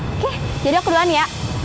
oke jadi aku duluan ya